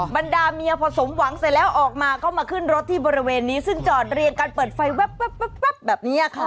บรรดาเมียพอสมหวังเสร็จแล้วออกมาก็มาขึ้นรถที่บริเวณนี้ซึ่งจอดเรียงกันเปิดไฟแว๊บแบบนี้ค่ะ